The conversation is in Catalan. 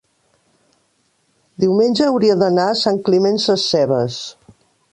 diumenge hauria d'anar a Sant Climent Sescebes.